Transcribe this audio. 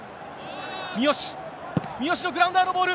三好、三好のグラウンダーのボール。